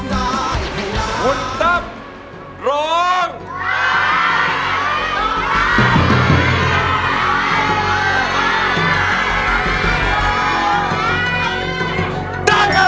หมุนทัพร้องได้